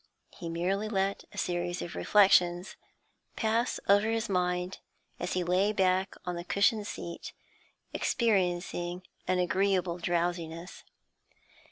He merely let a series of reflections pass over his mind, as he lay back on the cushioned seat, experiencing an agreeable drowsiness.